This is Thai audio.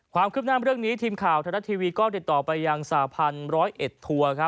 ความคืบหน้าเรื่องนี้ทีมข่าวไทยรัฐทีวีก็ติดต่อไปยังสาพันธ์๑๐๑ทัวร์